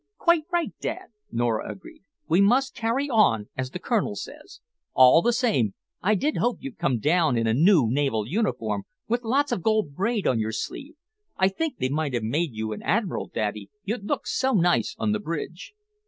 "Quite right, Dad!" Nora agreed. "We must carry on, as the Colonel says. All the same, I did hope you'd come down in a new naval uniform, with lots of gold braid on your sleeve. I think they might have made you an admiral, Daddy, you'd look so nice on the bridge."